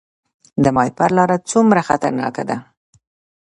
د ماهیپر لاره څومره خطرناکه ده؟